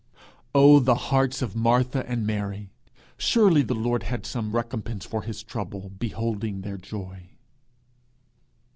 Oh, the hearts of Martha and Mary! Surely the Lord had some recompense for his trouble, beholding their joy!